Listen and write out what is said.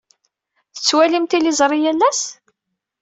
Tettwalim tiliẓri yal ass?